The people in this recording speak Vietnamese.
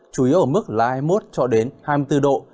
chủ yếu ở mức là hai mươi một cho đến hai mươi bốn độ